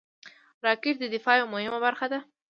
راکټ د دفاع یوه مهمه برخه ده